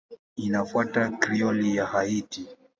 Inafuata Krioli ya Haiti.